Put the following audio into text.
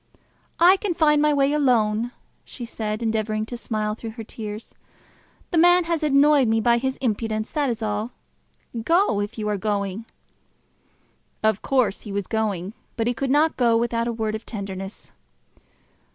"I can find my way alone," she said, endeavouring to smile through her tears. "The man has annoyed me by his impudence, that is all. Go, if you are going." Of course he was going; but he could not go without a word of tenderness.